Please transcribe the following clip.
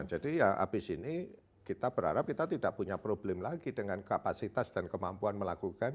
jadi ya habis ini kita berharap kita tidak punya problem lagi dengan kapasitas dan kemampuan melakukan